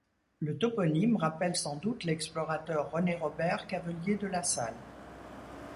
Le toponyme rappelle sans doute l'explorateur René-Robert Cavelier de La Salle.